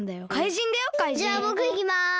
じゃあぼくいきます。